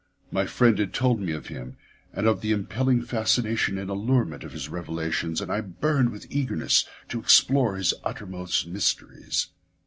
My friend had told me of him, and of the impelling fascination and allurement of his revelations, and I burned with eagerness to explore his uttermost mysteries.